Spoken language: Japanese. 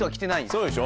そうでしょ。